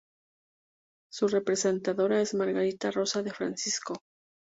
Su presentadora es Margarita Rosa de Francisco.